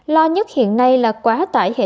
lo nhất hiện nay là quá tải hiệu